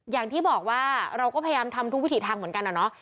อย่างที่บอกว่าเราก็พยายามทำทุกวิถีทางเหมือนกันอะเนาะ